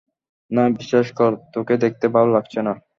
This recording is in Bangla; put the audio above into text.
না, বিশ্বাস কর তোকে দেখতে ভালো লাগছে না!